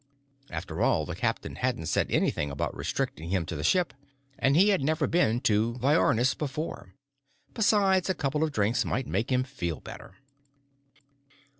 After all, the captain hadn't said anything about restricting him to the ship, and he had never been to Viornis before. Besides, a couple of drinks might make him feel better.